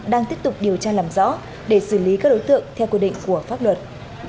đang tiếp tục điều tra làm rõ để xử lý các đối tượng theo quy định của pháp luật